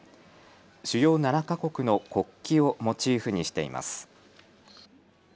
主要７か国の国旗をモチーフにしています。